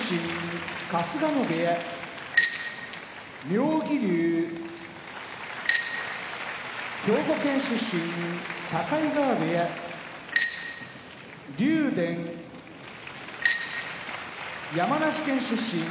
妙義龍兵庫県出身境川部屋竜電山梨県出身